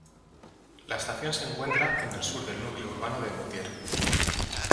La estación se encuentra en el sur del núcleo urbano de Moutier.